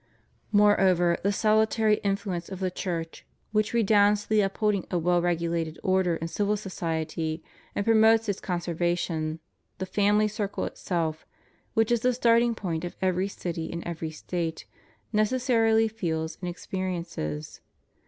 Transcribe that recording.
^ Moreover, the salutary influence of the Church, which redounds to the upholding of well regulated order in civil society and promotes its conservation, the family circle itself (which is the starting point of every city and everj'^ State) necessarily feels and experiences.